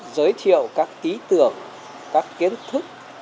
giới thiệu các ý tưởng các kiến thức